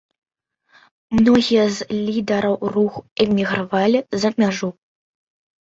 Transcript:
Многія з лідараў руху эмігравалі за мяжу.